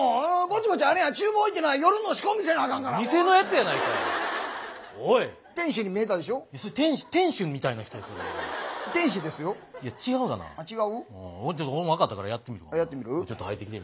ちょっと入ってきて。